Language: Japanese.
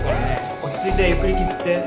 落ち着いてゆっくり息吸って。